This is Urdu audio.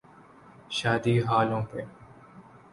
شادی ہالوں پہ۔